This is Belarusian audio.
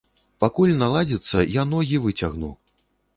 Пакуль наладзіцца, я ногі выцягну!